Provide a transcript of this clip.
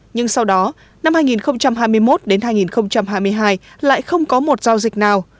nhưng sau đó năm hai nghìn hai mươi một đến hai nghìn hai mươi hai lại không có một giao dịch nào